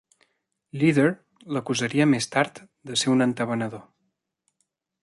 Lieder l'acusaria més tard de ser un entabanador.